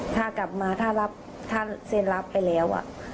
ถ้ากลับมาถ้าเซ็นรับไปแล้ว